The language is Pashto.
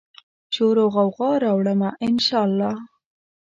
شوراوغوغا راوړمه، ان شا الله